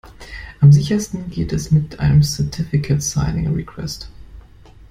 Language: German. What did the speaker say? Am sichersten geht es mit einem Certificate Signing Request.